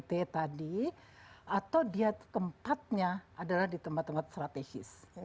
tergantung dia itu perubahannya sangat besar dari yang normal menjadi yang kemudian normal